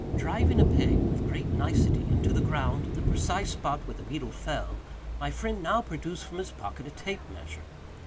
Driving a peg, with great nicety, into the ground, at the precise spot where the beetle fell, my friend now produced from his pocket a tape measure.